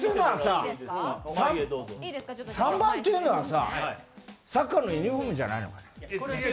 ３番っていうのはさ、サッカーのユニフォームじゃないの？